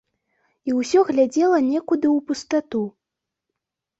І ўсё глядзела некуды ў пустату.